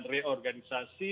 juga harus melakukan reorganisasi